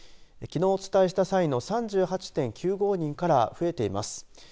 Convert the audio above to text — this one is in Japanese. きのうお伝えした際の３８．９５人から増えています。